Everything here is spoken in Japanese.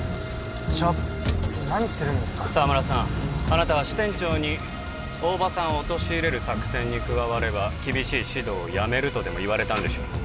あなたは支店長に大庭さんを陥れる作戦に加われば厳しい指導をやめるとでも言われたんでしょう